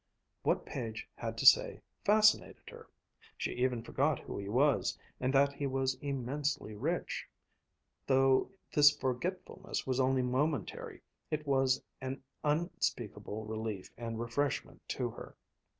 What Page had to say fascinated her. She even forgot who he was, and that he was immensely rich. Though this forgetfulness was only momentary it was an unspeakable relief and refreshment to her.